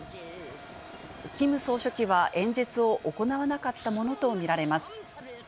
キム総書記は演説を行わなかったものと見られます。